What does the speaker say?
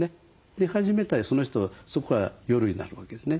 寝始めたらその人そこから夜になるわけですね